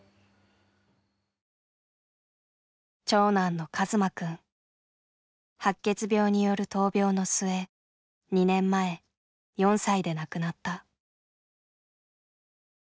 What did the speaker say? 長男の白血病による闘病の末２年前４歳で亡くなった。